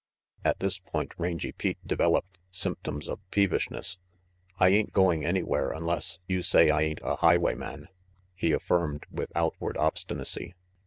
At this point Rangy Pete developed symptoms of peevishness. "I ain't going anywhere unless you say I ain't a highwayman," he affirmed with outward obstinacy.